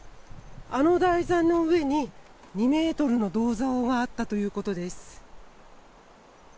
あの台座の上に２ｍの銅像があったということです。